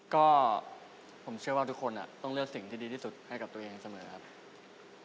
ก็ผมเชื่อว่าทุกคนต้องเลือกสิ่งที่ดีที่สุดให้กับตัวเองเสมอครับ